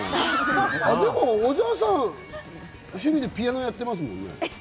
でも小澤さん、趣味でピアノやってますもんね。